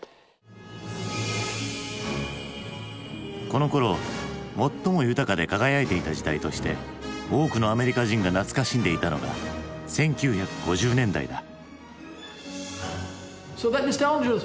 このころ最も豊かで輝いていた時代として多くのアメリカ人が懐かしんでいたのが１９５０年代だ。